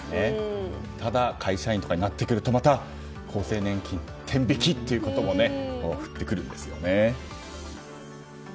ただ会社員とかになってくるとまた厚生年金、天引きということも降ってくるんですね。